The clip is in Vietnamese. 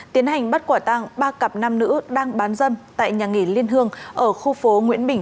tiến hành bắt quả tăng ba cặp nam nữ đang bán dâm tại nhà nghỉ liên hương ở khu phố nguyễn bình